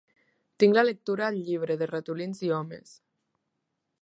Tinc la lectura el llibre, de ratolins i homes.